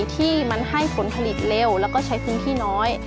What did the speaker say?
ที่มันให้ผลผลิตเร็วแล้วก็ใช้พื้นที่น้อย